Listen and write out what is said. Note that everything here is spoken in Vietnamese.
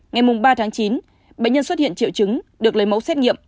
ngày ba chín bệnh nhân xuất hiện triệu chứng được lấy mẫu xét nghiệm